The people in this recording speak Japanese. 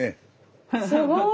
すごい！